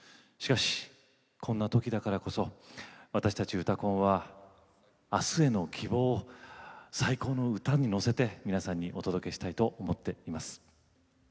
しかし、こんなときだからこそ私たちは歌で皆さんにあすへの希望を最高の歌に乗せて届けたいと思っています。